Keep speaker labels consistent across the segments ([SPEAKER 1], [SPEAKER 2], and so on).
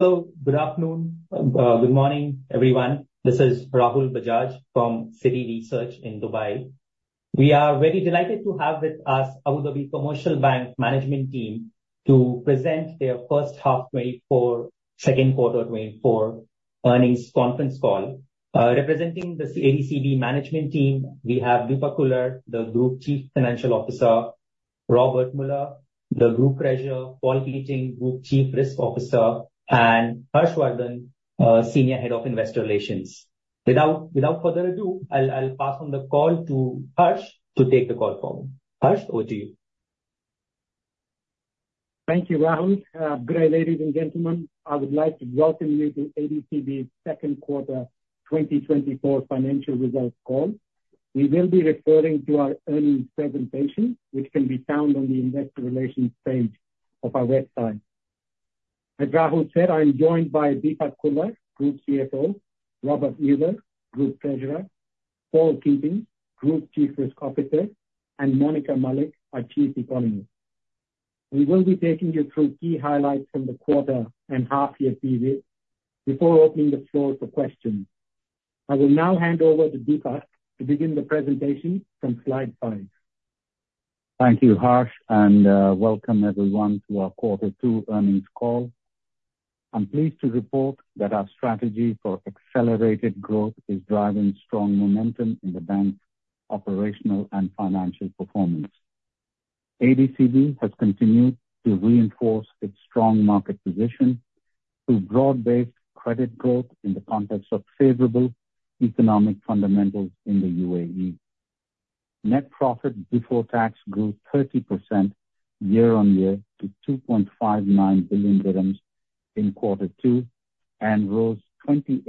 [SPEAKER 1] Hello. Good afternoon. Good morning, everyone. This is Rahul Bajaj from Citi Research in Dubai. We are very delighted to have with us Abu Dhabi Commercial Bank Management Team to present their first half 2024, second quarter 2024 earnings conference call. Representing the ADCB Management Team, we have Deepak Khullar, the Group Chief Financial Officer, Robbert Muller, the Group Treasurer, Paul Keating, Group Chief Risk Officer, and Harsh Vardhan, Senior Head of Investor Relations. Without further ado, I'll pass on the call to Harsh to take the call for me. Harsh, over to you.
[SPEAKER 2] Thank you, Rahul. Good day, ladies and gentlemen. I would like to welcome you to ADCB's second quarter 2024 financial results call. We will be referring to our earnings presentation, which can be found on the Investor Relations page of our website. As Rahul said, I'm joined by Deepak Khullar, Group CFO, Robbert Muller, Group Treasurer, Paul Keating, Group Chief Risk Officer, and Monica Malik, our Chief Economist. We will be taking you through key highlights from the quarter and half-year period before opening the floor for questions. I will now hand over to Deepak to begin the presentation from slide five.
[SPEAKER 3] Thank you, Harsh, and welcome everyone to our quarter two earnings call. I'm pleased to report that our strategy for accelerated growth is driving strong momentum in the bank's operational and financial performance. ADCB has continued to reinforce its strong market position through broad-based credit growth in the context of favorable economic fundamentals in the UAE. Net profit before tax grew 30% year-on-year to 2.59 billion dirhams in quarter two and rose 28%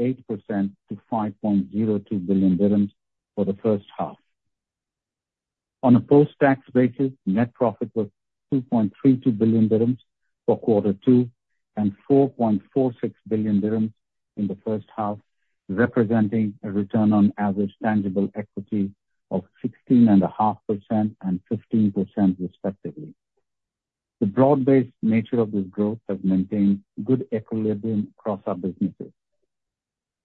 [SPEAKER 3] to 5.02 billion dirhams for the first half. On a post-tax basis, net profit was 2.32 billion dirhams for quarter two and 4.46 billion dirhams in the first half, representing a return on average tangible equity of 16.5% and 15%, respectively. The broad-based nature of this growth has maintained good equilibrium across our businesses.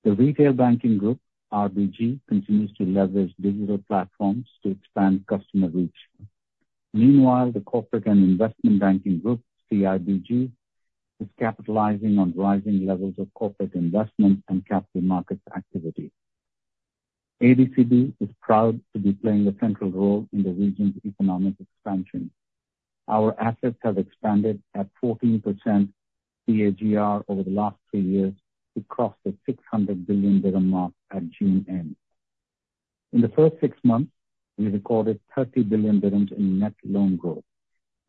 [SPEAKER 3] The retail banking group, RBG, continues to leverage digital platforms to expand customer reach. Meanwhile, the corporate and investment banking group, CIBG, is capitalizing on rising levels of corporate investment and capital markets activity. ADCB is proud to be playing a central role in the region's economic expansion. Our assets have expanded at 14% CAGR over the last three years to cross the 600 billion dirham mark at June end. In the first six months, we recorded 30 billion dirhams in net loan growth,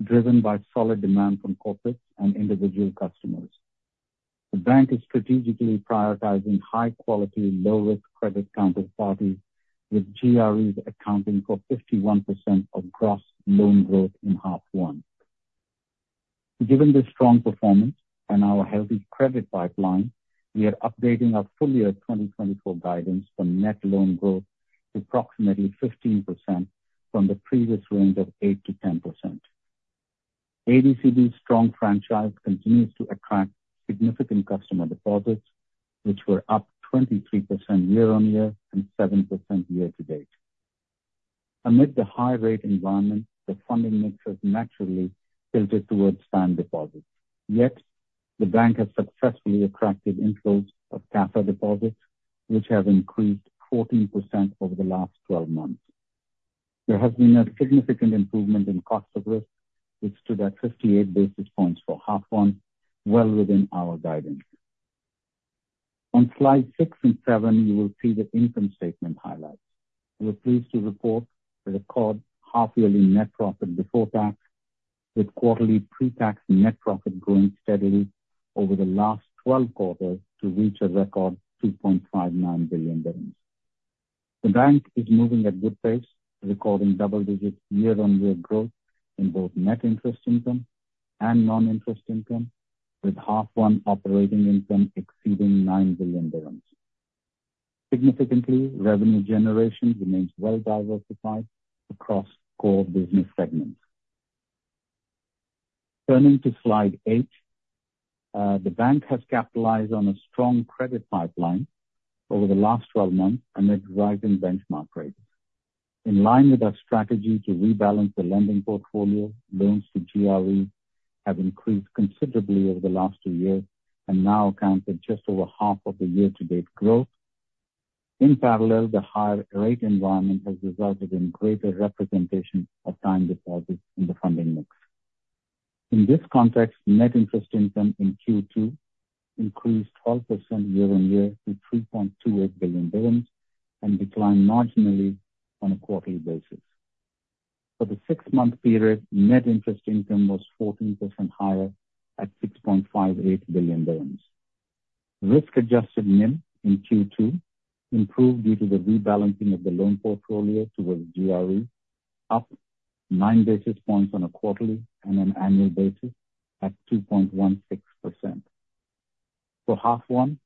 [SPEAKER 3] driven by solid demand from corporates and individual customers. The bank is strategically prioritizing high-quality, low-risk credit counterparties, with GREs accounting for 51% of gross loan growth in half one. Given this strong performance and our healthy credit pipeline, we are updating our full year 2024 guidance for net loan growth to approximately 15% from the previous range of 8%-10%. ADCB's strong franchise continues to attract significant customer deposits, which were up 23% year-on-year and 7% year-to-date. Amid the high-rate environment, the funding mix has naturally tilted towards term deposits. Yet, the bank has successfully attracted inflows of CASA deposits, which have increased 14% over the last 12 months. There has been a significant improvement in cost of risk, which stood at 58 basis points for half one, well within our guidance. On slides six and seven, you will see the income statement highlights. We're pleased to report the record half-yearly net profit before tax, with quarterly pre-tax net profit growing steadily over the last 12 quarters to reach a record 2.59 billion. The bank is moving at good pace, recording double-digit year-on-year growth in both net interest income and non-interest income, with half one operating income exceeding 9 billion dirhams. Significantly, revenue generation remains well-diversified across core business segments. Turning to slide eight, the bank has capitalized on a strong credit pipeline over the last 12 months amid rising benchmark rates. In line with our strategy to rebalance the lending portfolio, loans to GREs have increased considerably over the last two years and now account for just over half of the year-to-date growth. In parallel, the higher rate environment has resulted in greater representation of time deposits in the funding mix. In this context, net interest income in Q2 increased 12% year-on-year to 3.28 billion and declined marginally on a quarterly basis. For the six-month period, net interest income was 14% higher at 6.58 billion dirhams. Risk-adjusted NIM in Q2 improved due to the rebalancing of the loan portfolio towards GRE, up nine basis points on a quarterly and an annual basis at 2.16%. For half one,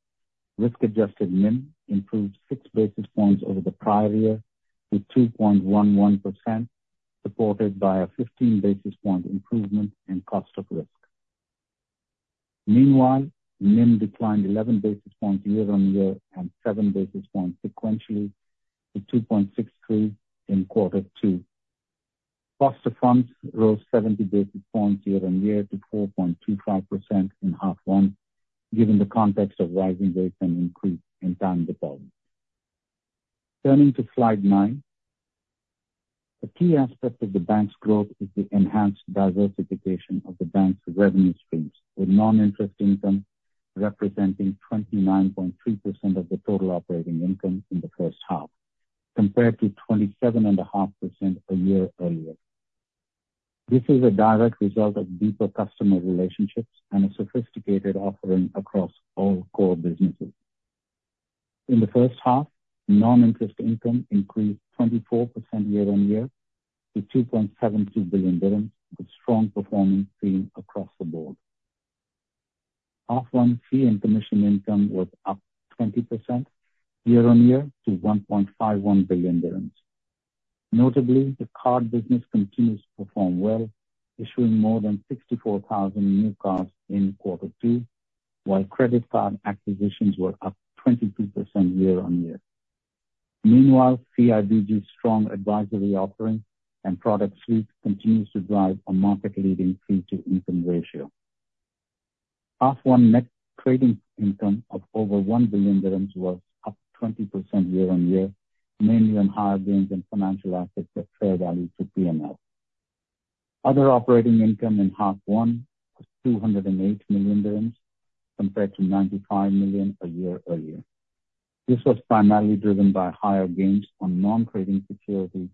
[SPEAKER 3] risk-adjusted NIM improved 6 basis points over the prior year to 2.11%, supported by a 15 basis point improvement in cost of risk. Meanwhile, NIM declined 11 basis points year-on-year and 7 basis points sequentially to 2.63 in quarter two. Cost of funds rose 70 basis points year-on-year to 4.25% in half one, given the context of rising rates and increase in time deposits. Turning to slide nine, a key aspect of the bank's growth is the enhanced diversification of the bank's revenue streams, with non-interest income representing 29.3% of the total operating income in the first half, compared to 27.5% a year earlier. This is a direct result of deeper customer relationships and a sophisticated offering across all core businesses. In the first half, non-interest income increased 24% year-on-year to 2.72 billion, with strong performing stream across the board. H1 fee and commission income was up 20% year-on-year to 1.51 billion dirhams. Notably, the card business continues to perform well, issuing more than 64,000 new cards in quarter two, while credit card acquisitions were up 22% year-on-year. Meanwhile, CIBG's strong advisory offering and product suite continues to drive a market-leading fee-to-income ratio. H1 net trading income of over 1 billion dirhams was up 20% year-on-year, mainly on higher gains in financial assets that fair value to P&L. Other operating income in H1 was 208 million dirhams compared to 95 million a year earlier. This was primarily driven by higher gains on non-trading securities,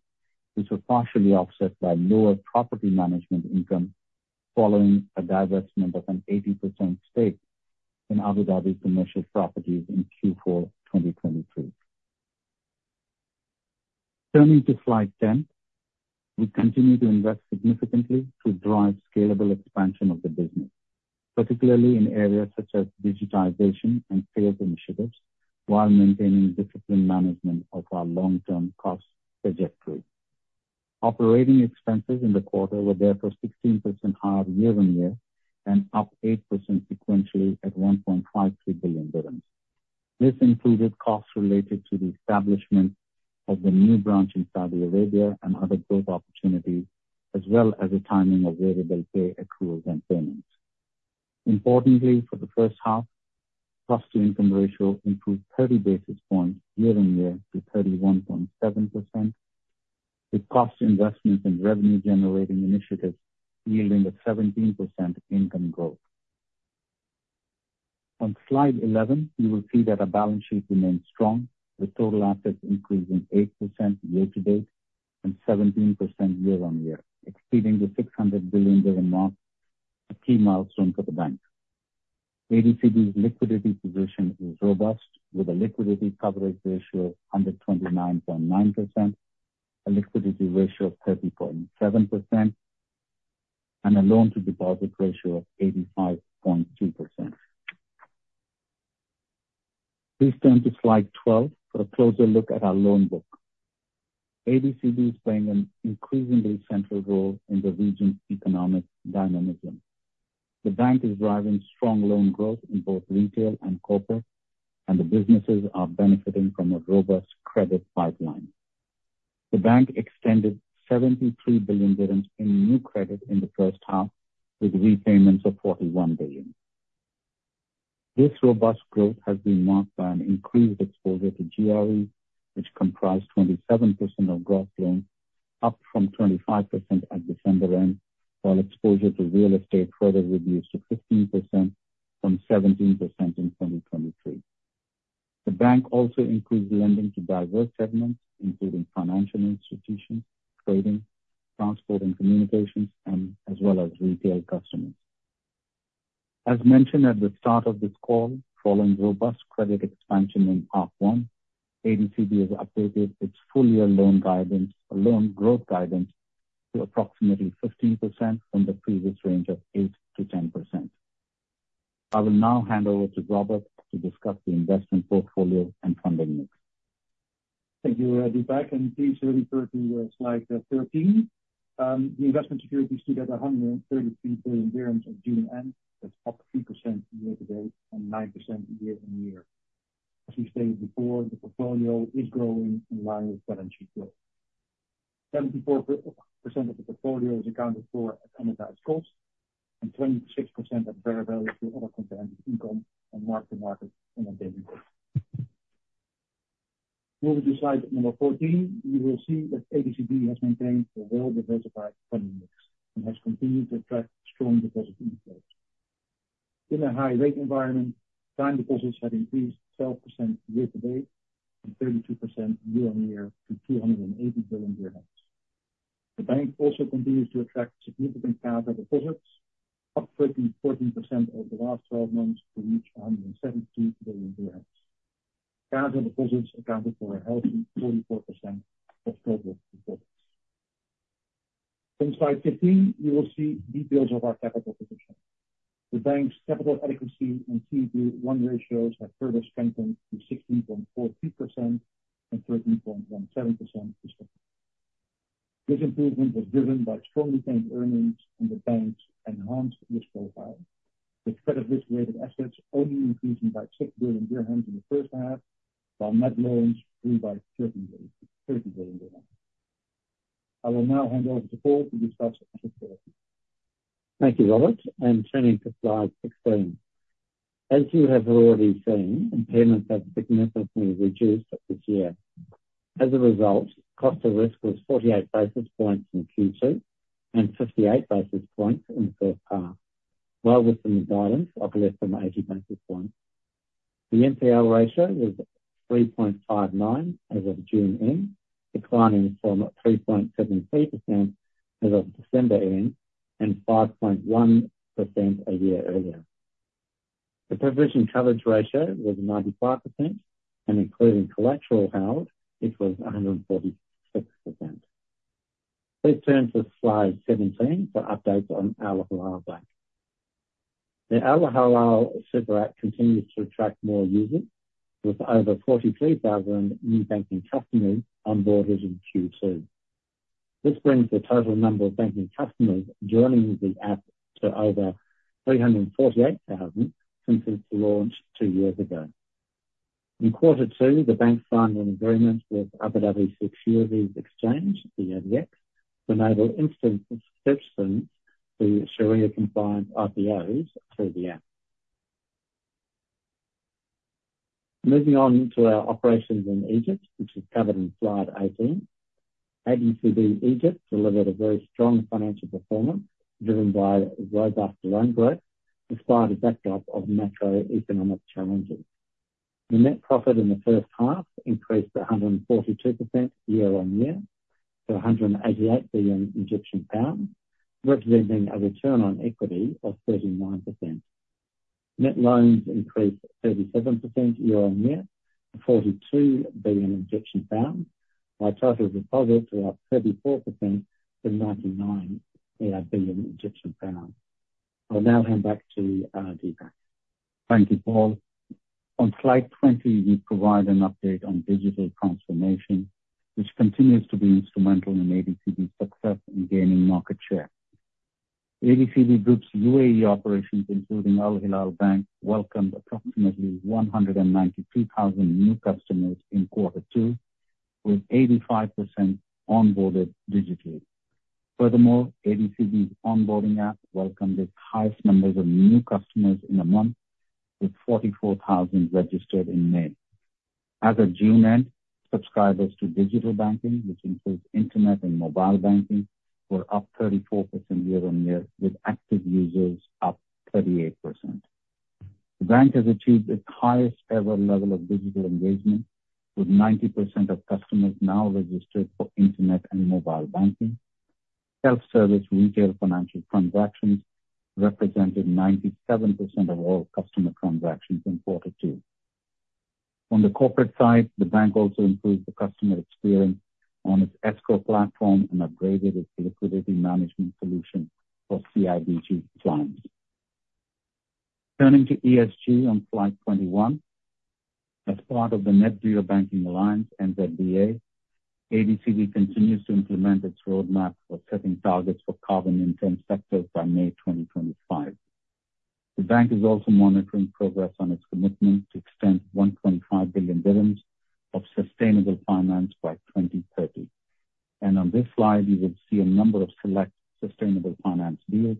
[SPEAKER 3] which were partially offset by lower property management income following a divestment of an 80% stake in Abu Dhabi Commercial Properties in Q4 2023. Turning to slide 10, we continue to invest significantly to drive scalable expansion of the business, particularly in areas such as digitization and sales initiatives, while maintaining discipline management of our long-term cost trajectory. Operating expenses in the quarter were therefore 16% higher year-on-year and up 8% sequentially at 1.53 billion dirhams. This included costs related to the establishment of the new branch in Saudi Arabia and other growth opportunities, as well as the timing of variable pay accruals and payments. Importantly, for the first half, cost-to-income ratio improved 30 basis points year-on-year to 31.7%, with cost investments and revenue-generating initiatives yielding a 17% income growth. On slide 11, you will see that our balance sheet remains strong, with total assets increasing 8% year-to-date and 17% year-on-year, exceeding the AED 600 billion mark, a key milestone for the bank. ADCB's liquidity position is robust, with a liquidity coverage ratio of 129.9%, a liquidity ratio of 30.7%, and a loan-to-deposit ratio of 85.2%. Please turn to slide 12 for a closer look at our loan book. ADCB is playing an increasingly central role in the region's economic dynamism. The bank is driving strong loan growth in both retail and corporate, and the businesses are benefiting from a robust credit pipeline. The bank extended 73 billion dirhams in new credit in the first half, with repayments of 41 billion. This robust growth has been marked by an increased exposure to GREs, which comprised 27% of gross loans, up from 25% at December end, while exposure to real estate further reduced to 15% from 17% in 2023. The bank also increased lending to diverse segments, including financial institutions, trading, transport, and communications, as well as retail customers. As mentioned at the start of this call, following robust credit expansion in half one, ADCB has updated its full year loan growth guidance to approximately 15% from the previous range of 8%-10%. I will now hand over to Robbert to discuss the investment portfolio and funding mix.
[SPEAKER 4] Thank you, Deepak. Please refer to slide 13. The investment securities stood at 133 billion dirhams at June end, up 3% year-to-date and 9% year-on-year. As we stated before, the portfolio is growing in line with balance sheet growth. 74% of the portfolio is accounted for at annualized cost and 26% at fair value to other comprehensive income and mark-to-market in a daily basis. Moving to slide number 14, you will see that ADCB has maintained a well-diversified funding mix and has continued to attract strong deposit inflows. In a high-rate environment, time deposits have increased 12% year-to-date and 32% year-on-year to 280 billion dirhams. The bank also continues to attract significant CASA deposits, up 13%, 14% over the last 12 months to reach 172 billion dirhams. CASA deposits accounted for a healthy 44% of total deposits. On slide 15, you will see details of our capital position. The bank's capital adequacy and CET1 ratios have further strengthened to 16.42% and 13.17% respectively. This improvement was driven by strong retained earnings and the bank's enhanced risk profile, with risk-weighted assets only increasing by 6 billion dirhams in the first half, while net loans grew by 30 billion dirhams. I will now hand over to Paul to discuss asset strategy.
[SPEAKER 5] Thank you, Robbert. And turning to slide 16. As you have already seen, impairments have significantly reduced this year. As a result, cost of risk was 48 basis points in Q2 and 58 basis points in the first half, well within the guidance of less than 80 basis points. The NPL ratio was 3.59% as of June end, declining from 3.73% as of December end and 5.1% a year earlier. The provision coverage ratio was 95%, and including collateral held, it was 146%. Please turn to slide 17 for updates on Al Hilal Bank. The Al Hilal Super App continues to attract more users, with over 43,000 new banking customers onboarded in Q2. This brings the total number of banking customers joining the app to over 348,000 since its launch two years ago. In quarter two, the bank signed an agreement with Abu Dhabi Securities Exchange, the ADX, to enable instant search through the Sharia-compliant IPOs through the app. Moving on to our operations in Egypt, which is covered in slide 18, ADCB Egypt delivered a very strong financial performance driven by robust loan growth despite a backdrop of macroeconomic challenges. The net profit in the first half increased 142% year-on-year to AED 188 billion, representing a return on equity of 39%. Net loans increased 37% year-on-year to AED 42 billion, with total deposits up 34% to 99 billion. I'll now hand back to Deepak.
[SPEAKER 3] Thank you, Paul. On slide 20, you provide an update on digital transformation, which continues to be instrumental in ADCB's success in gaining market share. ADCB Group's UAE operations, including Al Hilal Bank, welcomed approximately 192,000 new customers in quarter two, with 85% onboarded digitally. Furthermore, ADCB's onboarding app welcomed its highest numbers of new customers in a month, with 44,000 registered in May. As of June end, subscribers to digital banking, which includes internet and mobile banking, were up 34% year-on-year, with active users up 38%. The bank has achieved its highest ever level of digital engagement, with 90% of customers now registered for internet and mobile banking. Self-service retail financial transactions represented 97% of all customer transactions in quarter two. On the corporate side, the bank also improved the customer experience on its Escrow Platform and upgraded its liquidity management solution for CIBG clients. Turning to ESG on slide 21, as part of the Net Zero Banking Alliance (NZBA), ADCB continues to implement its roadmap for setting targets for carbon-intense sectors by May 2025. The bank is also monitoring progress on its commitment to extend 125 billion dirhams of sustainable finance by 2030. On this slide, you will see a number of select sustainable finance deals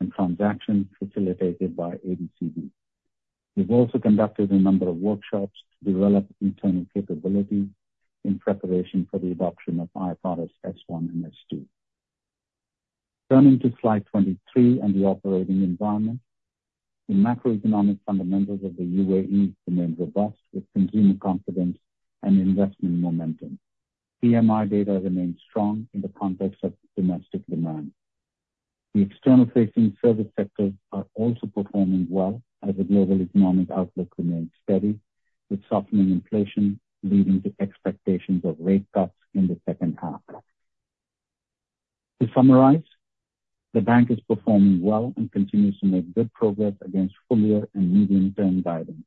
[SPEAKER 3] and transactions facilitated by ADCB. We've also conducted a number of workshops to develop internal capabilities in preparation for the adoption of IFRS S1 and S2. Turning to slide 23 and the operating environment, the macroeconomic fundamentals of the UAE remain robust, with consumer confidence and investment momentum. PMI data remains strong in the context of domestic demand. The external-facing service sectors are also performing well as the global economic outlook remains steady, with softening inflation leading to expectations of rate cuts in the second half. To summarize, the bank is performing well and continues to make good progress against full year and medium-term guidance.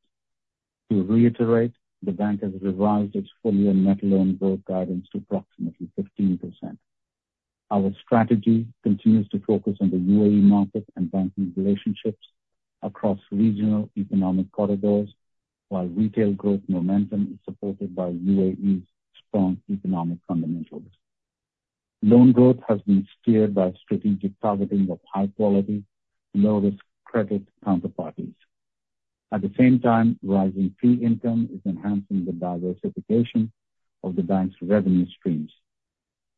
[SPEAKER 3] To reiterate, the bank has revised its full year net loan growth guidance to approximately 15%. Our strategy continues to focus on the UAE market and banking relationships across regional economic corridors, while retail growth momentum is supported by UAE's strong economic fundamentals. Loan growth has been steered by strategic targeting of high-quality, low-risk credit counterparties. At the same time, rising fee income is enhancing the diversification of the bank's revenue streams.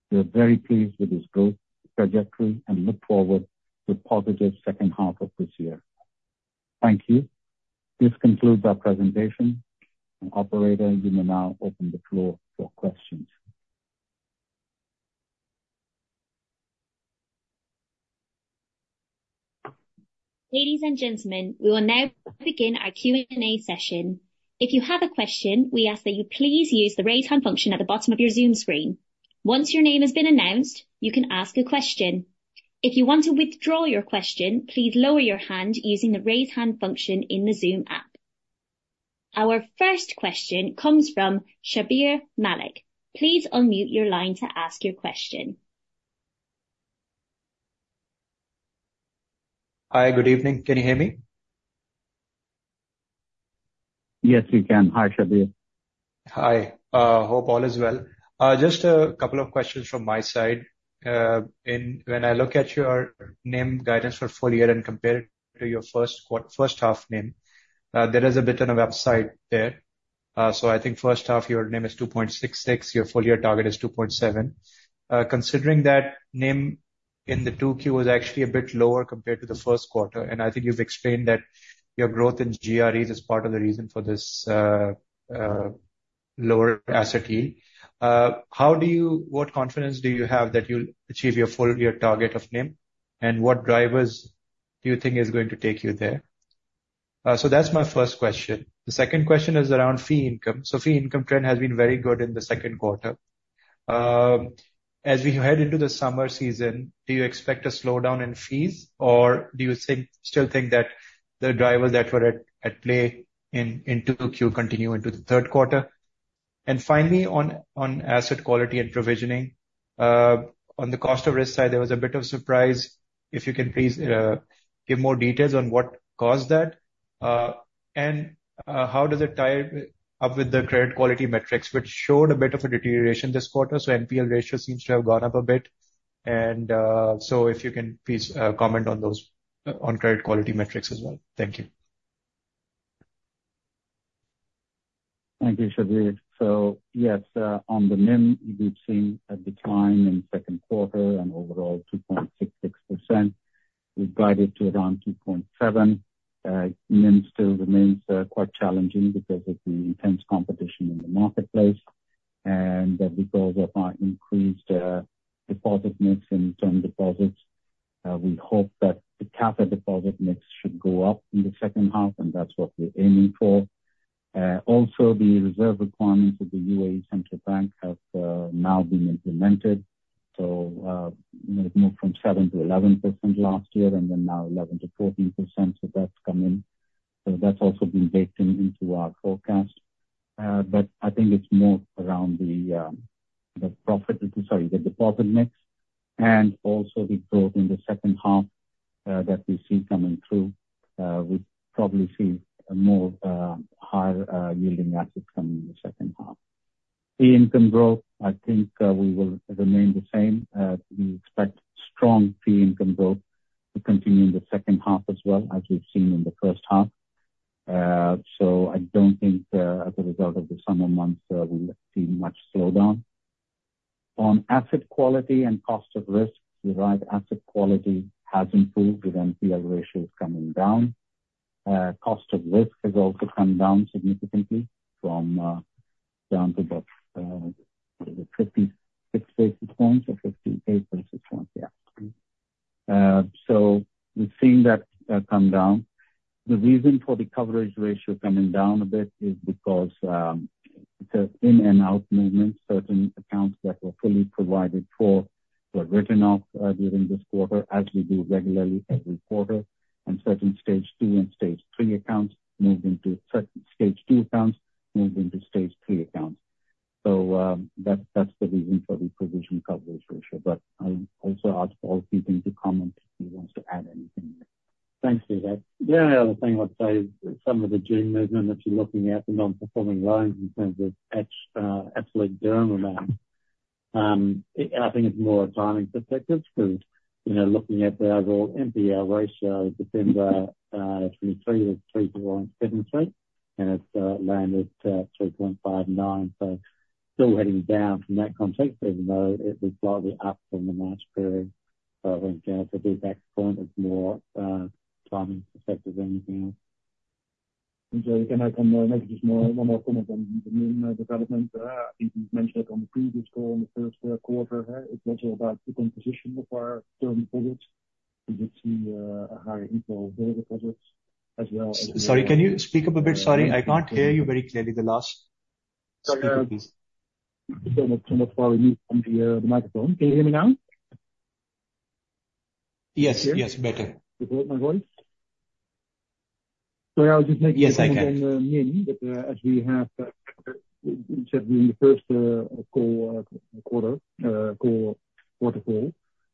[SPEAKER 3] We are very pleased with this growth trajectory and look forward to a positive second half of this year. Thank you. This concludes our presentation. Operator, you may now open the floor for questions.
[SPEAKER 6] Ladies and gentlemen, we will now begin our Q&A session. If you have a question, we ask that you please use the raise hand function at the bottom of your Zoom screen. Once your name has been announced, you can ask a question. If you want to withdraw your question, please lower your hand using the raise hand function in the Zoom app. Our first question comes from Shabir Malik. Please unmute your line to ask your question.
[SPEAKER 7] Hi, good evening. Can you hear me?
[SPEAKER 3] Yes, we can. Hi, Shabir.
[SPEAKER 7] Hi. Hope all is well. Just a couple of questions from my side. When I look at your NIM guidance for full year and compare it to your first half NIM, there is a bit on the website there. So I think first half, your NIM is 2.66, your full year target is 2.7. Considering that NIM in the 2Q was actually a bit lower compared to the first quarter, and I think you've explained that your growth in GREs is part of the reason for this lower asset yield. What confidence do you have that you'll achieve your full year target of NIM? And what drivers do you think are going to take you there? So that's my first question. The second question is around fee income. So fee income trend has been very good in the second quarter. As we head into the summer season, do you expect a slowdown in fees, or do you still think that the drivers that were at play in Q2 continue into the third quarter? And finally, on asset quality and provisioning, on the cost of risk side, there was a bit of surprise. If you can please give more details on what caused that. And how does it tie up with the credit quality metrics, which showed a bit of a deterioration this quarter? So NPL ratio seems to have gone up a bit. And so if you can please comment on those credit quality metrics as well. Thank you.
[SPEAKER 3] Thank you, Shabir. So yes, on the NIM, we've seen a decline in second quarter and overall 2.66%. We've guided to around 2.7%. NIM still remains quite challenging because of the intense competition in the marketplace, and because of our increased deposit mix and return deposits, we hope that the CASA deposit mix should go up in the second half, and that's what we're aiming for. Also, the reserve requirements of the UAE Central Bank have now been implemented. So it moved from 7%-11% last year and then now 11%-14%. So that's come in. So that's also been baked into our forecast, but I think it's more around the profit, sorry, the deposit mix. And also the growth in the second half that we see coming through. We probably see more higher yielding assets coming in the second half. Fee income growth, I think, will remain the same. We expect strong fee income growth to continue in the second half as well, as we've seen in the first half. So I don't think as a result of the summer months, we'll see much slowdown. On asset quality and cost of risk, the overall asset quality has improved with NPL ratios coming down. Cost of risk has also come down significantly down to about 56 basis points or 58 basis points. Yeah. So we've seen that come down. The reason for the coverage ratio coming down a bit is because it's an in-and-out movement. Certain accounts that were fully provided for were written off during this quarter, as we do regularly every quarter. Certain Stage 2 and Stage 3 accounts moved into Stage 3 accounts. So that's the reason for the provision coverage ratio. But I also ask all people to comment if you want to add anything.
[SPEAKER 8] Thanks, Deepak. Yeah, I think I would say some of the June movement that you're looking at, the non-performing loans in terms of absolute dirham amount, I think it's more a timing perspective because looking at the overall NPL ratio, December 2023 was 3.73%, and it's landed at 3.59%. So still heading down from that context, even though it was slightly up from the March period. So I think to be back to point, it's more timing perspective than anything else.
[SPEAKER 2] Can I come in? Maybe just one more thing on the new development. I think you mentioned it on the previous call in the first quarter. It's also about the composition of our term deposits. We did see a higher inflow of all the deposits as well.
[SPEAKER 7] Sorry, can you speak up a bit? Sorry, I can't hear you very clearly. The last.
[SPEAKER 2] Sorry.
[SPEAKER 7] Sorry.
[SPEAKER 2] So much while we move on the microphone. Can you hear me now?
[SPEAKER 7] Yes, yes, better.
[SPEAKER 2] Is that my voice? Sorry, I was just making sure.
[SPEAKER 7] Yes, I can.
[SPEAKER 2] As we have said during the first quarter call,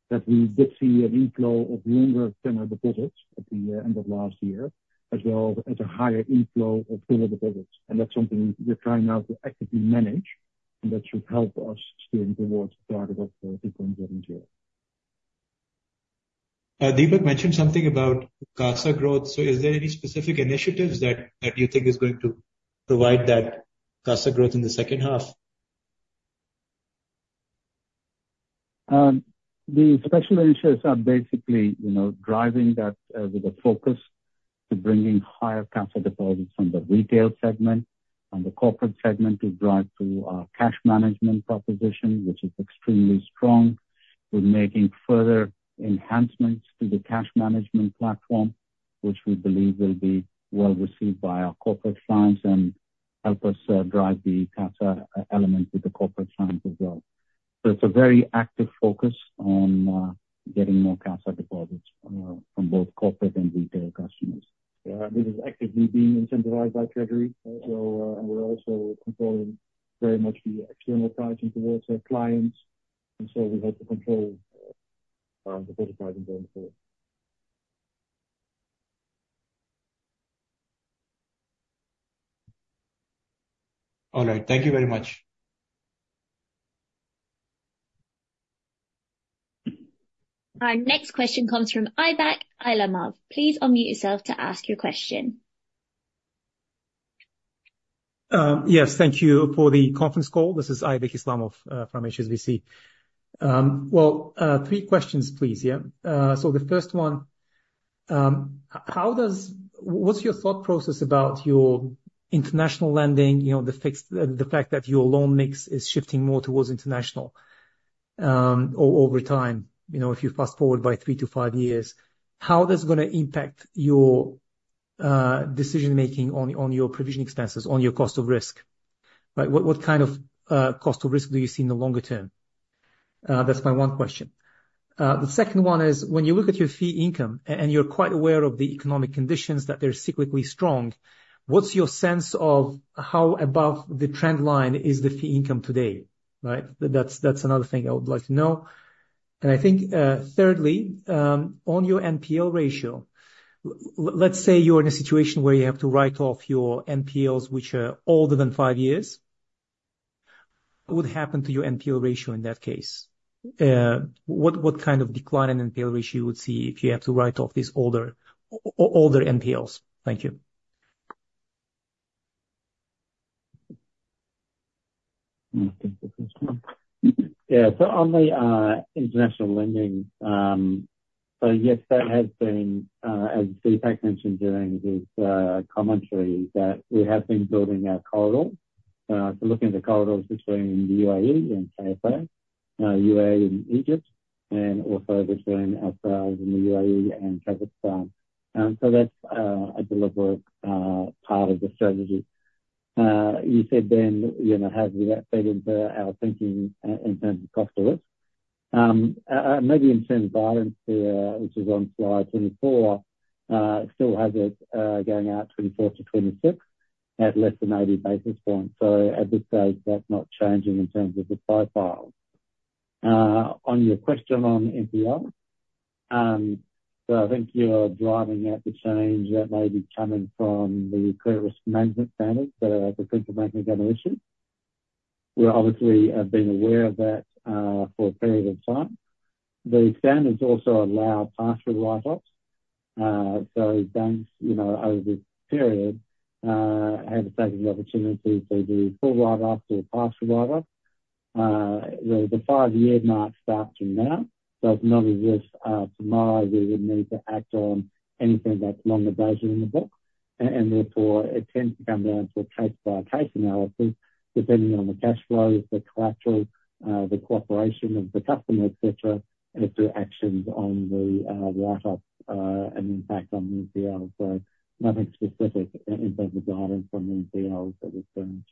[SPEAKER 2] that we did see an inflow of longer-term deposits at the end of last year, as well as a higher inflow of smaller deposits, and that's something we're trying now to actively manage, and that should help us steer towards the target of 2.70.
[SPEAKER 7] Deepak mentioned something about CASA growth. So is there any specific initiatives that you think is going to provide that CASA growth in the second half?
[SPEAKER 3] The special initiatives are basically driving that with a focus to bringing higher CASA deposits from the retail segment and the corporate segment to drive through our cash management proposition, which is extremely strong. We're making further enhancements to the cash management platform, which we believe will be well received by our corporate clients and help us drive the CASA element with the corporate clients as well. So it's a very active focus on getting more CASA deposits from both corporate and retail customers.
[SPEAKER 2] Yeah, and this is actively being incentivized by Treasury. And we're also controlling very much the external pricing towards our clients. And so we hope to control the deposit pricing going forward.
[SPEAKER 7] All right. Thank you very much.
[SPEAKER 6] Our next question comes from Aybek Islamov. Please unmute yourself to ask your question.
[SPEAKER 9] Yes, thank you for the conference call. This is Aybek Islamov from HSBC. Well, three questions, please. Yeah. So the first one, what's your thought process about your international lending, the fact that your loan mix is shifting more towards international over time? If you fast forward by three to five years, how is this going to impact your decision-making on your provisioning expenses, on your cost of risk? What kind of cost of risk do you see in the longer term? That's my one question. The second one is, when you look at your fee income and you're quite aware of the economic conditions that they're cyclically strong, what's your sense of how above the trend line is the fee income today? That's another thing I would like to know. I think, thirdly, on your NPL ratio, let's say you're in a situation where you have to write off your NPLs which are older than five years. What would happen to your NPL ratio in that case? What kind of decline in NPL ratio you would see if you have to write off these older NPLs? Thank you.
[SPEAKER 5] Yeah, so on the international lending, so yes, that has been, as Deepak mentioned during his commentary, that we have been building our corridor. So looking at the corridors between the UAE and KSA, UAE and Egypt, and also between ourselves in the UAE and Kazakhstan. So that's a deliberate part of the strategy. You said then has that fed into our thinking in terms of cost of risk? Maybe in terms of balance, which is on slide 24, still has it going out 24 to 26 at less than 80 basis points. So at this stage, that's not changing in terms of the profile. On your question on NPL, so I think you're driving at the change that may be coming from the credit risk management standards that the central bank is going to issue. We obviously have been aware of that for a period of time. The standards also allow pass-through write-offs. So banks over this period have taken the opportunity to do full write-offs or pass-through write-offs. The five-year mark starts from now. So it's non-existent to my eye, we would need to act on anything that's longer dated in the book. And therefore, it tends to come down to a case-by-case analysis, depending on the cash flows, the collateral, the cooperation of the customer, etc., and through actions on the write-offs and impact on the NPLs. So nothing specific in terms of guidance on the NPLs at this stage.
[SPEAKER 9] And fee income?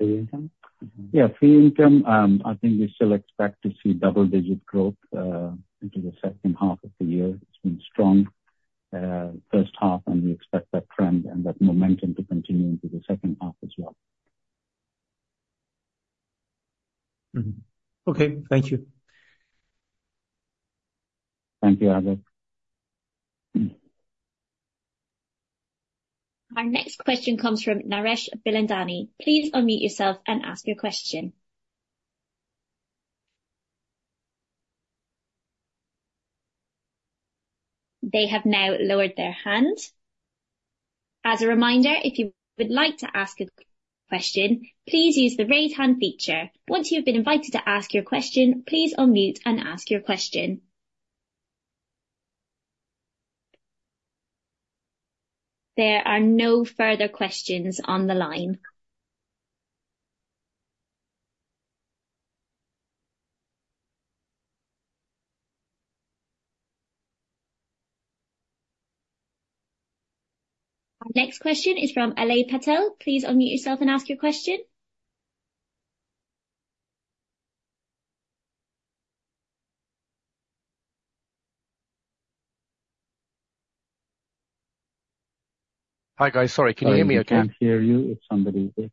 [SPEAKER 5] Yeah, fee income, I think we still expect to see double-digit growth into the second half of the year. It's been strong first half, and we expect that trend and that momentum to continue into the second half as well.
[SPEAKER 9] Okay. Thank you.
[SPEAKER 5] Thank you, Aybek.
[SPEAKER 6] Our next question comes from Naresh Bilandani. Please unmute yourself and ask your question. They have now lowered their hand. As a reminder, if you would like to ask a question, please use the raise hand feature. Once you've been invited to ask your question, please unmute and ask your question. There are no further questions on the line. Our next question is from Alay Patel. Please unmute yourself and ask your question.
[SPEAKER 10] Hi guys. Sorry, can you hear me okay?
[SPEAKER 3] We can't hear you if somebody's there.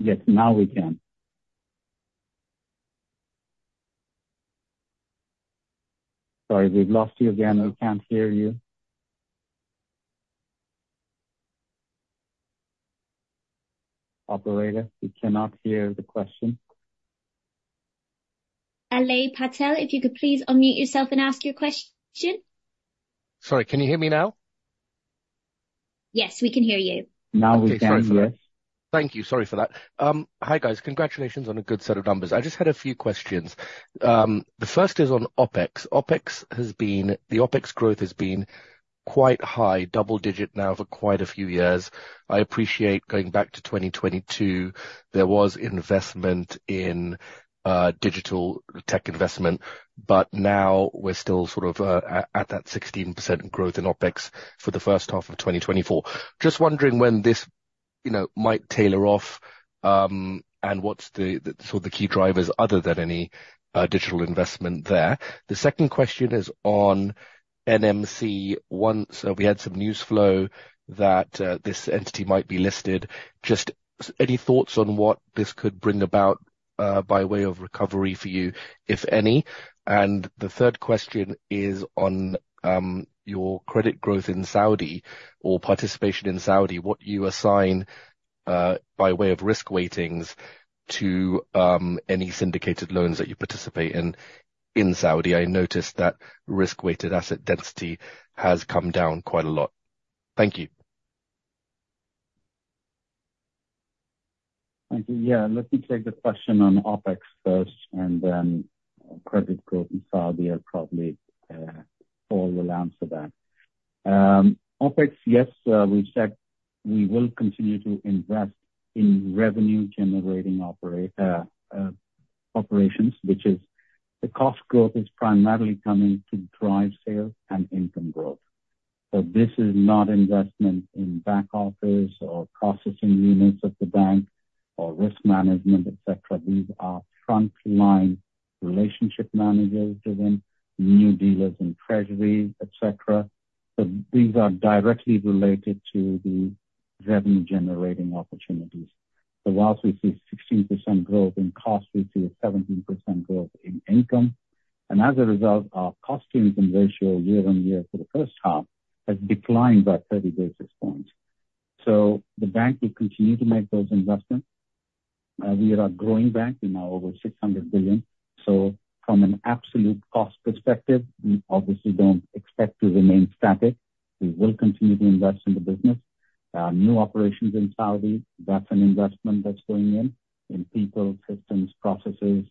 [SPEAKER 3] Yes, now we can. Sorry, we've lost you again. We can't hear you. Operator, we cannot hear the question.
[SPEAKER 6] Alay Patel, if you could please unmute yourself and ask your question.
[SPEAKER 10] Sorry, can you hear me now?
[SPEAKER 6] Yes, we can hear you.
[SPEAKER 3] Now we can, yes.
[SPEAKER 10] Thank you. Sorry for that. Hi guys, congratulations on a good set of numbers. I just had a few questions. The first is on OpEx. OpEx has been the OpEx growth has been quite high, double-digit now for quite a few years. I appreciate going back to 2022, there was investment in digital tech investment, but now we're still sort of at that 16% growth in OpEx for the first half of 2024. Just wondering when this might taper off and what's the sort of key drivers other than any digital investment there. The second question is on NMC. So we had some news flow that this entity might be listed. Just any thoughts on what this could bring about by way of recovery for you, if any? And the third question is on your credit growth in Saudi or participation in Saudi, what you assign by way of risk weightings to any syndicated loans that you participate in in Saudi. I noticed that risk-weighted asset density has come down quite a lot. Thank you.
[SPEAKER 3] Thank you. Yeah, let me take the question on OpEx first, and then credit growth in Saudi Arabia we'll probably all answer that. OpEx, yes, we said we will continue to invest in revenue-generating operations, which is the cost growth is primarily coming to drive sales and income growth. So this is not investment in back office or processing units of the bank or risk management, etc. These are frontline relationship managers driven new dealers in Treasury, etc. So these are directly related to the revenue-generating opportunities. So while we see 16% growth in cost, we see a 17% growth in income. And as a result, our cost-to-income ratio year on year for the first half has declined by 30 basis points. So the bank will continue to make those investments. We are a growing bank. We're now over 600 billion. So from an absolute cost perspective, we obviously don't expect to remain static. We will continue to invest in the business. New operations in Saudi, that's an investment that's going in in people, systems, processes,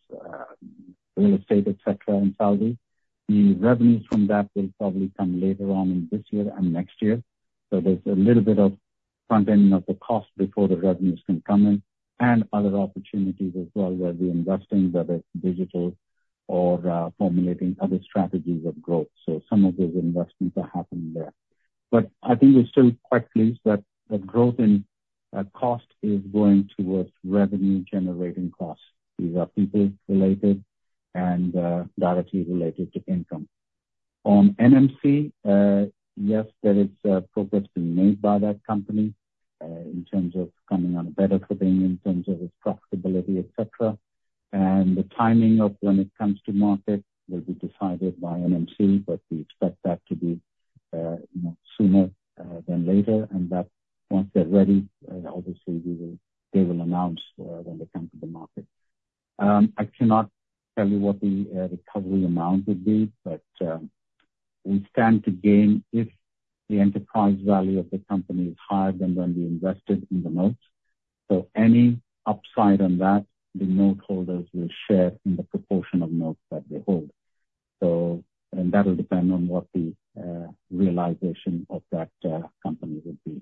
[SPEAKER 3] real estate, etc. in Saudi. The revenues from that will probably come later on in this year and next year. So there's a little bit of front-end of the cost before the revenues can come in and other opportunities as well where we're investing, whether it's digital or formulating other strategies of growth. So some of those investments are happening there. But I think we're still quite pleased that the growth in cost is going towards revenue-generating costs. These are people-related and directly related to income. On NMC, yes, there is progress being made by that company in terms of coming on a better footing in terms of its profitability, etc. The timing of when it comes to market will be decided by NMC, but we expect that to be sooner than later. Once they're ready, obviously they will announce when they come to the market. I cannot tell you what the recovery amount would be, but we stand to gain if the enterprise value of the company is higher than when we invested in the notes. Any upside on that, the noteholders will share in the proportion of notes that they hold. That will depend on what the realization of that company would be.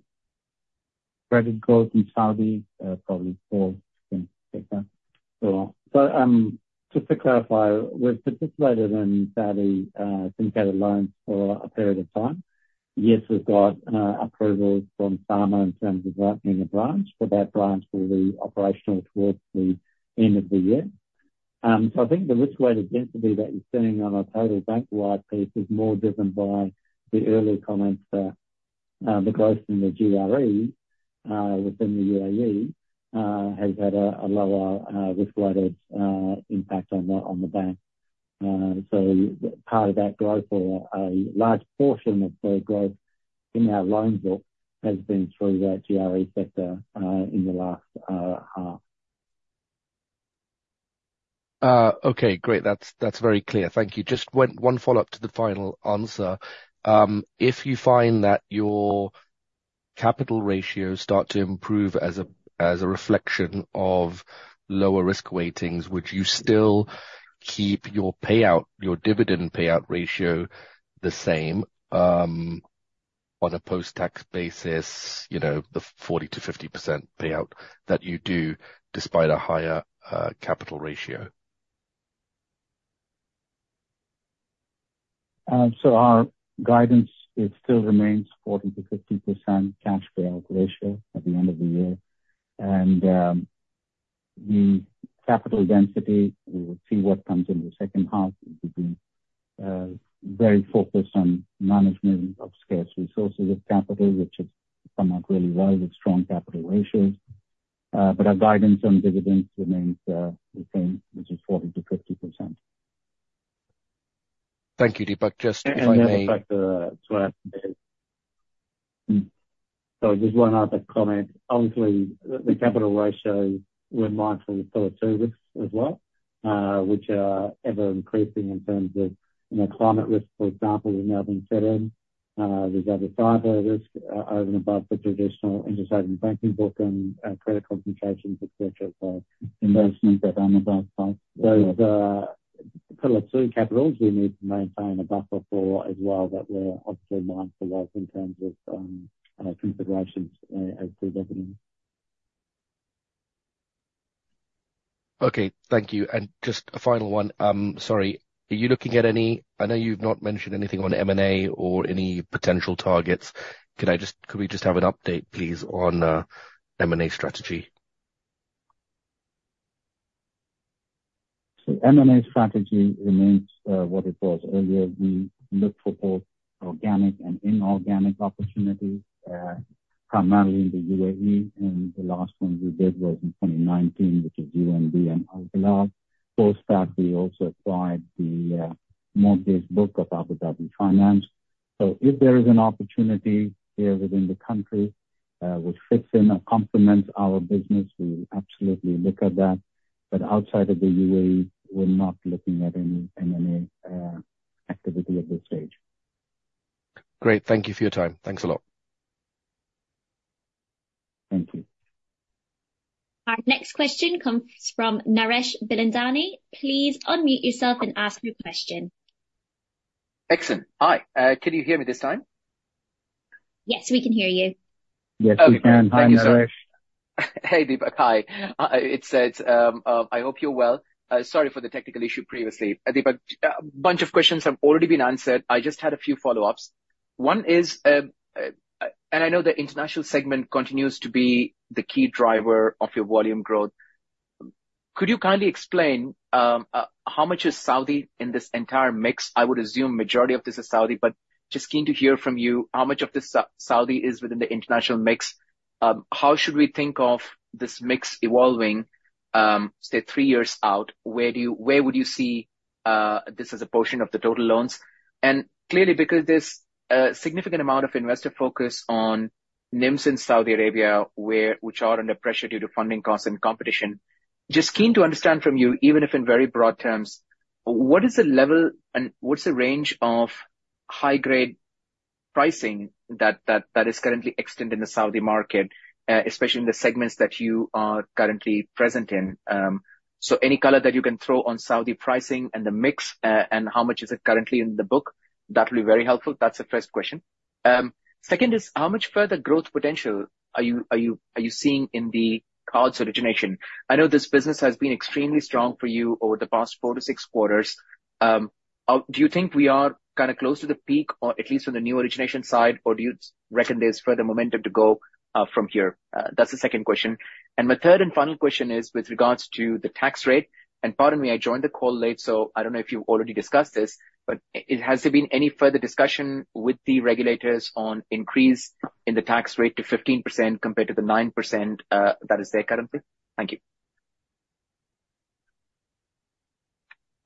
[SPEAKER 3] Credit growth in Saudi, probably four, fifth, sixth. To clarify, we've participated in Saudi syndicated loans for a period of time. Yes, we've got approvals from SAMA in terms of opening a branch, but that branch will be operational towards the end of the year. So I think the risk-weighted density that you're seeing on a total bank-wide piece is more driven by the early comments that the growth in the GRE within the UAE has had a lower risk-weighted impact on the bank. So part of that growth or a large portion of the growth in our loan book has been through that GRE sector in the last half.
[SPEAKER 10] Okay, great. That's very clear. Thank you. Just one follow-up to the final answer. If you find that your capital ratios start to improve as a reflection of lower risk weightings, would you still keep your dividend payout ratio the same on a post-tax basis, the 40%-50% payout that you do despite a higher capital ratio?
[SPEAKER 3] So our guidance still remains 40%-50% cash payout ratio at the end of the year. And the capital density, we will see what comes in the second half. We've been very focused on management of scarce resources of capital, which has come out really well with strong capital ratios. But our guidance on dividends remains the same, which is 40%-50%.
[SPEAKER 10] Thank you, Deepak. Just if I may.
[SPEAKER 3] So I just want to add that comment. Obviously, the capital ratios, we're mindful of the services as well, which are ever-increasing in terms of climate risk, for example, we've now been set in. There's other cyber risk over and above the traditional intersecting banking book and credit concentrations, etc. So investments that are on the back side. So for the two capitals, we need to maintain above the floor as well that we're obviously mindful of in terms of considerations as to revenue.
[SPEAKER 10] Okay, thank you. And just a final one. Sorry, are you looking at any? I know you've not mentioned anything on M&A or any potential targets. Could we just have an update, please, on M&A strategy?
[SPEAKER 3] So M&A strategy remains what it was earlier. We look for both organic and inorganic opportunities, primarily in the UAE. And the last one we did was in 2019, which is UNB and Al Hilal. Post that, we also acquired the mortgage book of Abu Dhabi Finance. So if there is an opportunity here within the country which fits in or complements our business, we will absolutely look at that. But outside of the UAE, we're not looking at any M&A activity at this stage.
[SPEAKER 10] Great. Thank you for your time. Thanks a lot.
[SPEAKER 3] Thank you.
[SPEAKER 6] Our next question comes from Naresh Bilandani. Please unmute yourself and ask your question.
[SPEAKER 11] Excellent. Hi. Can you hear me this time?
[SPEAKER 6] Yes, we can hear you.
[SPEAKER 3] Yes, we can. Hi, Naresh.
[SPEAKER 11] Hey, Deepak. Hi. It says, "I hope you're well." Sorry for the technical issue previously. Deepak, a bunch of questions have already been answered. I just had a few follow-ups. One is, and I know the international segment continues to be the key driver of your volume growth. Could you kindly explain how much is Saudi in this entire mix? I would assume the majority of this is Saudi, but just keen to hear from you how much of this Saudi is within the international mix. How should we think of this mix evolving, say, three years out? Where would you see this as a portion of the total loans? Clearly, because there's a significant amount of investor focus on NIMS in Saudi Arabia, which are under pressure due to funding costs and competition, just keen to understand from you, even if in very broad terms, what is the level and what's the range of high-grade pricing that is currently extended in the Saudi market, especially in the segments that you are currently present in? So any color that you can throw on Saudi pricing and the mix and how much is it currently in the book, that will be very helpful. That's the first question. Second is, how much further growth potential are you seeing in the cards origination? I know this business has been extremely strong for you over the past four to six quarters. Do you think we are kind of close to the peak, or at least on the new origination side, or do you reckon there's further momentum to go from here? That's the second question, and my third and final question is with regards to the tax rate, and pardon me, I joined the call late, so I don't know if you've already discussed this, but has there been any further discussion with the regulators on increase in the tax rate to 15% compared to the 9% that is there currently? Thank you.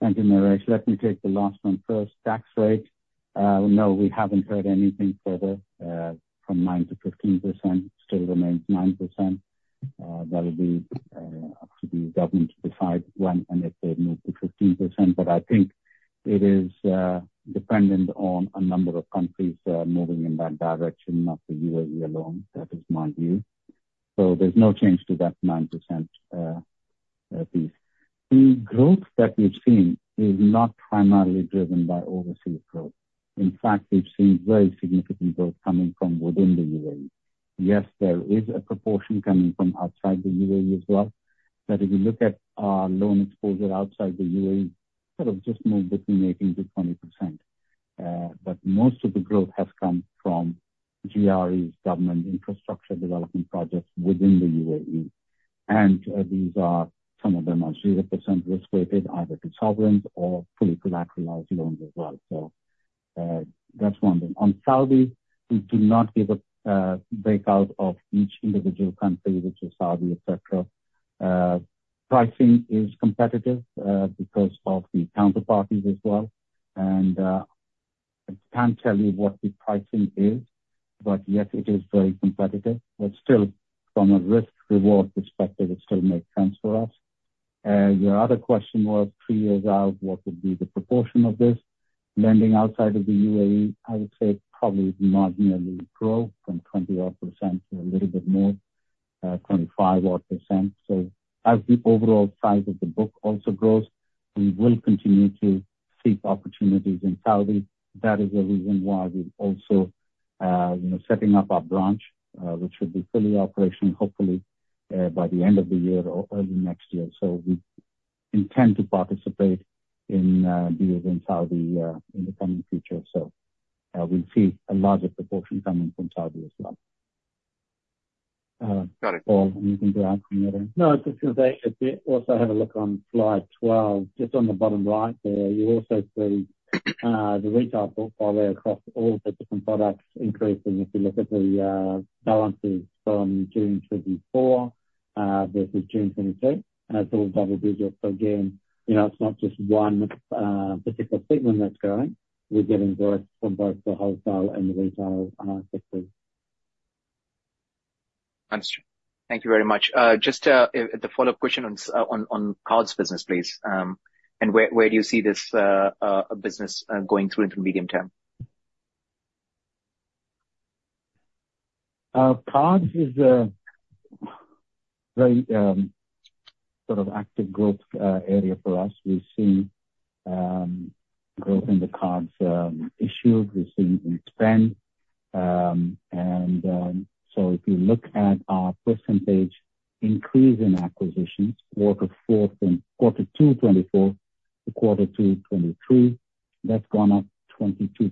[SPEAKER 3] Thank you, Naresh. Let me take the last one first. Tax rate, no, we haven't heard anything further. From nine to 15%, still remains 9%. That will be up to the government to decide when and if they move to 15%. But I think it is dependent on a number of countries moving in that direction, not the UAE alone. That is my view. So there's no change to that 9% piece. The growth that we've seen is not primarily driven by overseas growth. In fact, we've seen very significant growth coming from within the UAE. Yes, there is a proportion coming from outside the UAE as well. But if you look at our loan exposure outside the UAE, sort of just moved between 18%-20%. But most of the growth has come from GREs' government infrastructure development projects within the UAE. And these are some of them are 0% risk-weighted, either to sovereigns or fully collateralized loans as well. So that's one thing. On Saudi, we do not give a breakout of each individual country, which is Saudi, etc. Pricing is competitive because of the counterparties as well. And I can't tell you what the pricing is, but yes, it is very competitive. But still, from a risk-reward perspective, it still makes sense for us. Your other question was three years out, what would be the proportion of this? Lending outside of the UAE, I would say probably marginally grow from 20-odd% to a little bit more, 25-odd%. So as the overall size of the book also grows, we will continue to seek opportunities in Saudi. That is the reason why we're also setting up our branch, which will be fully operational, hopefully, by the end of the year or early next year. So we intend to participate in deals in Saudi in the coming future. So we'll see a larger proportion coming from Saudi as well.
[SPEAKER 11] Got it.
[SPEAKER 3] Paul, anything to add from your end?
[SPEAKER 5] No, just to say, if you also have a look on slide 12, just on the bottom right there, you also see the retail portfolio across all the different products increasing. If you look at the balances from June 2024 versus June 2022, it's all double digits. So again, it's not just one particular segment that's growing. We're getting growth from both the wholesale and the retail sectors.
[SPEAKER 11] Understood. Thank you very much. Just the follow-up question on cards business, please. And where do you see this business going through in the medium term?
[SPEAKER 3] Cards is a very sort of active growth area for us. We've seen growth in the cards issued. We've seen in spend. And so if you look at our percentage increase in acquisitions, quarter four from quarter two 2024 to quarter two 2023, that's gone up 22%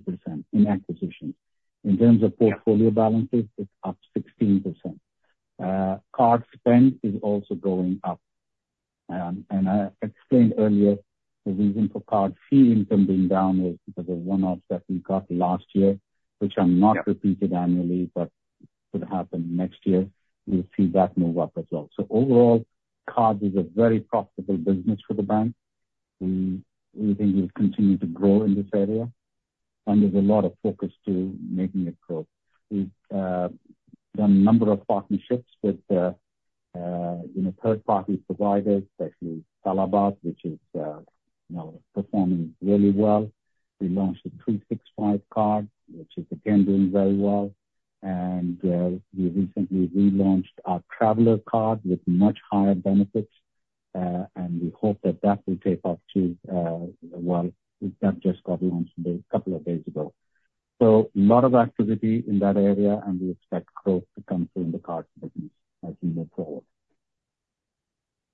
[SPEAKER 3] in acquisitions. In terms of portfolio balances, it's up 16%. Card spend is also going up. And I explained earlier the reason for card fee income being down is because of one-offs that we got last year, which are not repeated annually, but could happen next year. We'll see that move up as well. So overall, cards is a very profitable business for the bank. We think we'll continue to grow in this area. And there's a lot of focus to making it grow. We've done a number of partnerships with third-party providers, especially Talabat, which is performing really well. We launched a 365 Card, which is again doing very well. And we recently relaunched our Traveller Card with much higher benefits. And we hope that that will take off too well. That just got launched a couple of days ago. So a lot of activity in that area, and we expect growth to come through in the cards business as we move forward.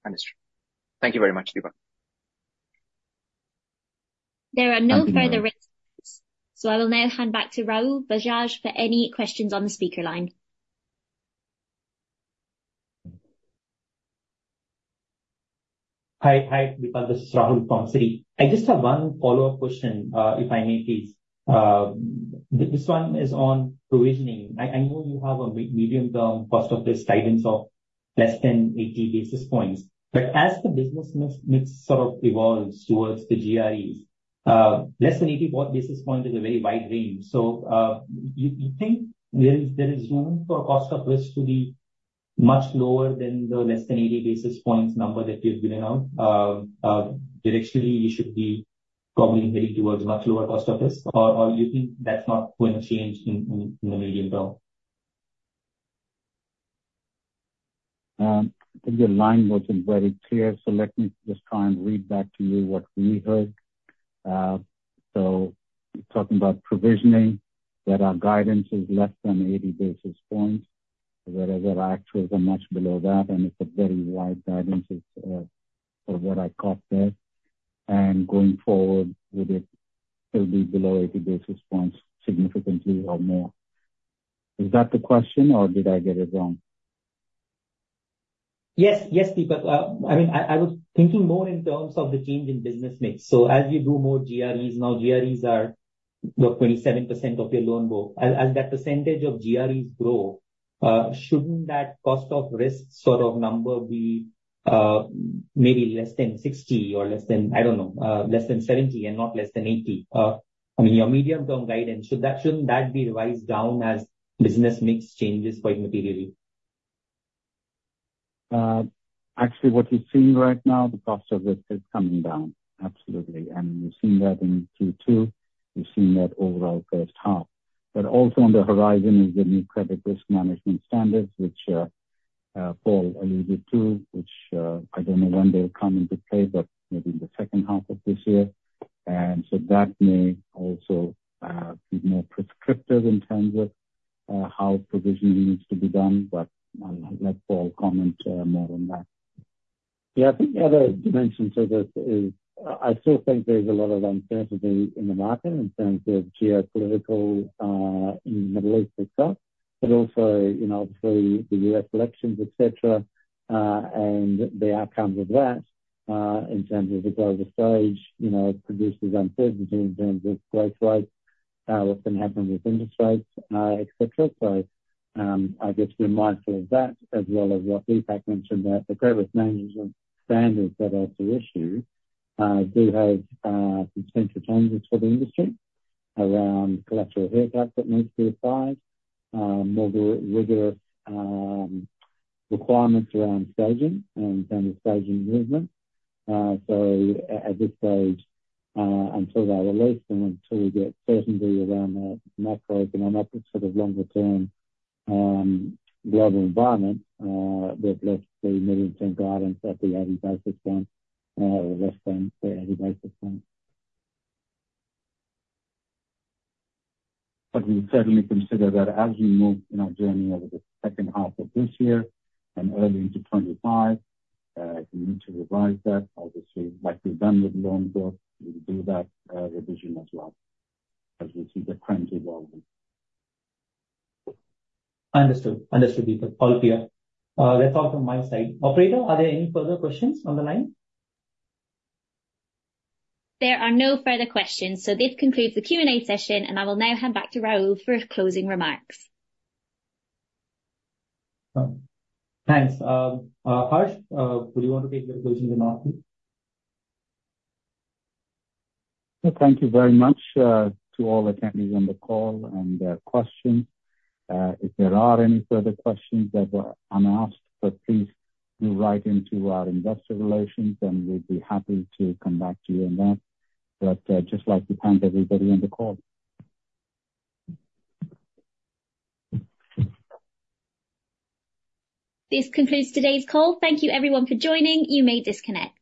[SPEAKER 11] Understood. Thank you very much, Deepak.
[SPEAKER 6] There are no further requests. So I will now hand back to Rahul Bajaj for any questions on the speaker line.
[SPEAKER 1] Hi, Deepak. This is Rahul from Citi. I just have one follow-up question, if I may, please. This one is on provisioning. I know you have a medium-term cost of risk guidance of less than 80 basis points. But as the business sort of evolves towards the GREs, less than 80 basis points is a very wide range. So you think there is room for cost of risk to be much lower than the less than 80 basis points number that you've given out? Directionally, you should be probably heading towards much lower cost of risk, or do you think that's not going to change in the medium term?
[SPEAKER 3] Your line wasn't very clear, so let me just try and read back to you what we heard. So you're talking about provisioning, that our guidance is less than 80 basis points, whereas our actuals are much below that. And it's a very wide guidance for what I caught there. And going forward, would it still be below 80 basis points significantly or more? Is that the question, or did I get it wrong?
[SPEAKER 1] Yes, yes, Deepak. I mean, I was thinking more in terms of the change in business mix. So as you do more GREs, now GREs are 27% of your loan book. As that percentage of GREs grow, shouldn't that cost of risk sort of number be maybe less than 60 or less than, I don't know, less than 70 and not less than 80? I mean, your medium-term guidance, shouldn't that be revised down as business mix changes quite materially?
[SPEAKER 3] Actually, what you're seeing right now, the cost of risk is coming down, absolutely. And we've seen that in Q2. We've seen that overall first half. But also on the horizon is the new credit risk management standards, which Paul alluded to, which I don't know when they'll come into play, but maybe in the second half of this year. And so that may also be more prescriptive in terms of how provisioning needs to be done. But I'll let Paul comment more on that.
[SPEAKER 5] Yeah, I think the other dimension to this is I still think there's a lot of uncertainty in the market in terms of geopolitical in the Middle East itself, but also obviously the U.S. elections, etc., and the outcomes of that in terms of the global stage produces uncertainty in terms of growth rates, what's going to happen with interest rates, etc. I guess we're mindful of that as well as what Deepak mentioned that the credit risk management standards that are to issue do have some potential changes for the industry around collateral handouts that need to be applied, more rigorous requirements around staging and kind of staging movement. So at this stage, until they're released and until we get certainty around the macroeconomic sort of longer-term global environment, we've left the medium-term guidance at the 80 basis points or less than the 80 basis points.
[SPEAKER 3] But we certainly consider that as we move in our journey over the second half of this year and early into 2025, if we need to revise that, obviously, like we've done with loan goals, we'll do that revision as well as we see the trend evolving.
[SPEAKER 1] Understood. Understood, Deepak. All clear. That's all from my side. Operator, are there any further questions on the line?
[SPEAKER 6] There are no further questions. So this concludes the Q&A session, and I will now hand back to Rahul for closing remarks.
[SPEAKER 1] Thanks. Harsh, would you want to take the floor to introduce the market?
[SPEAKER 2] Thank you very much to all attendees on the call and questions. If there are any further questions that were unasked, please do write into our Investor Relations, and we'll be happy to come back to you on that. But just like we thank everybody on the call.
[SPEAKER 6] This concludes today's call. Thank you, everyone, for joining. You may disconnect.